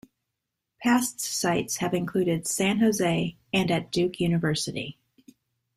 Past sites have included San Jose and at Duke University.